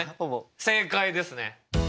正解ですね。